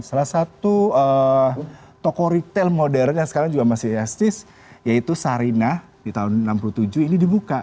salah satu toko retail modern yang sekarang juga masih restis yaitu sarinah di tahun seribu sembilan ratus enam puluh tujuh ini dibuka